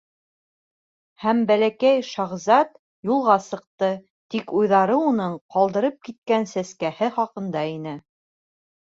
Һәм Бәләкәй шаһзат юлға сыҡты, тик уйҙары уның ҡалдырып киткән сәскәһе хаҡында ине.